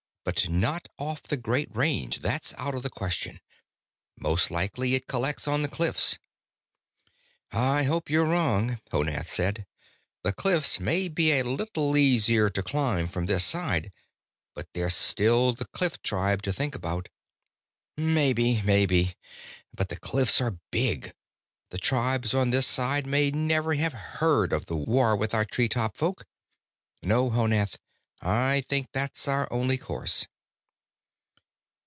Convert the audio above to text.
"But not off the Great Range, that's out of the question. Most likely it collects on the cliffs." "I hope you're wrong," Honath said. "The cliffs may be a little easier to climb from this side, but there's still the cliff tribe to think about." "Maybe, maybe. But the cliffs are big. The tribes on this side may never have heard of the war with our tree top folk. No, Honath, I think that's our only course."